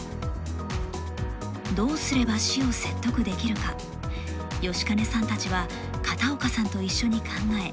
どうすれば市を説得できるか吉金さんたちは片岡さんと一緒に考え